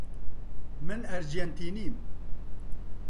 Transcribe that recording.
من ئەرجێنتینم.